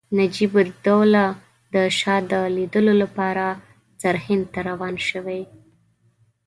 نجیب الدوله د شاه د لیدلو لپاره سرهند ته روان شوی.